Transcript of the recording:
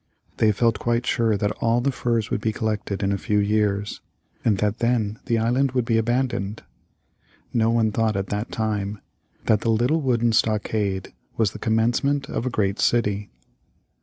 They felt quite sure that all the furs would be collected in a few years, and that then the island would be abandoned. No one thought at that time that the little wooden stockade was the commencement of a great city.